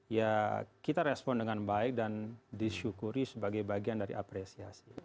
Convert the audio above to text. ya kita respon dengan baik dan disyukuri sebagai bagian dari apresiasi